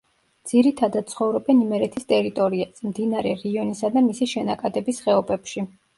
ძირითადად ცხოვრობენ იმერეთის ტერიტორიაზე, მდინარე რიონისა და მისი შენაკადების ხეობებში.